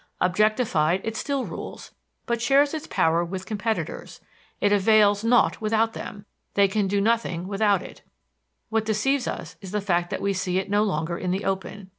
Objectified, it still rules, but shares its power with competitors; it avails nought without them, they can do nothing without it. What deceives us is the fact that we see it no longer in the open.